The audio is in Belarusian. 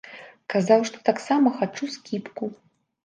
Казаў, што таксама хачу скібку.